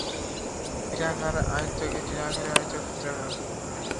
এটি আকারে আয়তক্ষেত্রাকার।